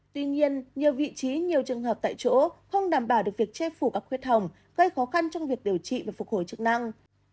tuy nhiên nhiều vị trí nhiều trường hợp tại chỗ không đảm bảo được việc chê phủ các khuyết hỏng gây khó khăn trong việc điều trị và phục hồi chức năng